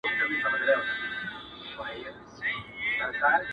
اوس به څوك د ارغسان پر څپو ګرځي.!